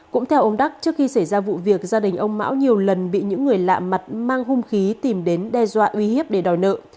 cũng theo ông đắc trước khi xảy ra vụ việc gia đình ông mão nhiều lần bị những người lạ mặt mang hung khí tìm đến đe dọa uy hiếp để đòi nợ